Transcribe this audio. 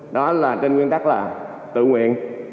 đó là trên nguyên tắc là tự nguyện